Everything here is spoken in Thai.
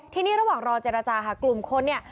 ทีนี้ระหว่างรอเจรจาค่ะกลุ่มคนเนี่ย